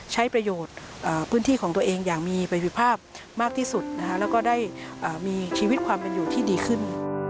ใช้ประโยชน์พื้นที่ของตัวเองอย่างมีประสิทธิภาพมากที่สุดแล้วก็ได้มีชีวิตความเป็นอยู่ที่ดีขึ้น